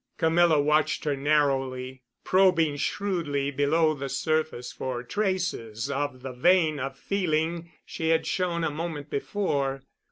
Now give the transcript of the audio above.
Camilla watched her narrowly, probing shrewdly below the surface for traces of the vein of feeling she had shown a moment before.